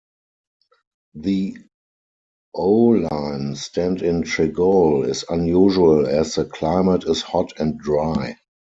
The Ooline stand in Tregole is unusual as the climate is hot and dry.